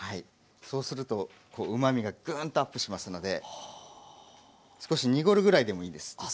そうするとうまみがグーンとアップしますので少し濁るぐらいでもいいんです。